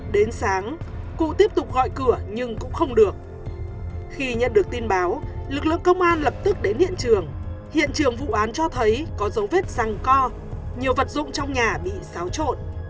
đến sáng cụ tiếp tục gọi cửa nhưng cũng không được khi nhận được tin báo lực lượng công an lập tức đến hiện trường hiện trường vụ án cho thấy có dấu vết răng co nhiều vật dụng trong nhà bị xáo trộn